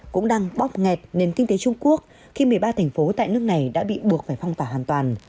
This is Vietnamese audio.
cũng đang bóp nghẹt nền kinh tế trung quốc khi một mươi ba thành phố tại nước này đã bị buộc phải phong tỏa hoàn toàn